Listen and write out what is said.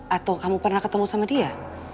atau kamu pernah ketemu sama dia